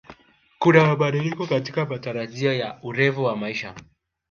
Kuna mabadiliko katika matarajio ya urefu wa maisha